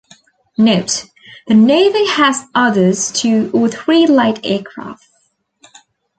Note: The Navy has others two or three light aircraft.